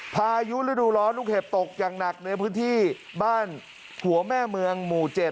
พายุฤดูร้อนลูกเห็บตกอย่างหนักในพื้นที่บ้านหัวแม่เมืองหมู่๗